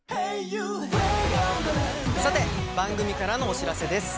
さて番組からのお知らせです。